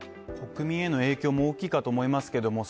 国民への影響も大きいかと思いますけど、